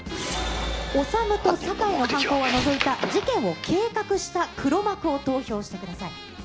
オサムと坂居の犯行を除いた事件を計画した黒幕を投票してください。